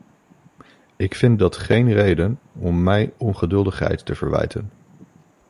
Ik vind dat geen reden om mij ongeduldigheid te verwijten.